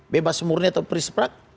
bebas murni atau prisprak